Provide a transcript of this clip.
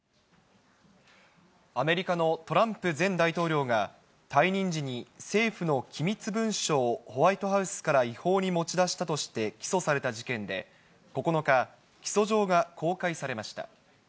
アメリカのトランプ前大統領が、退任時に政府の機密文書をホワイトハウスから違法に持ち出したとして起訴された事件で、９日、起訴状が公開されました。